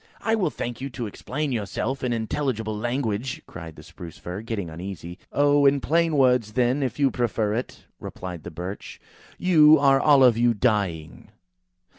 "I will thank you to explain yourself in intelligible language," cried the Spruce fir, getting uneasy. "Oh! in plain words, then, if you prefer it," replied the Birch. "You are all of you dying."